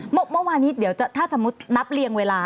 เมื่อวานนี้ถ้าสมมุตินับเลี่ยงเวลา